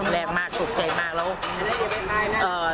แรงมากตกใจมากแล้ว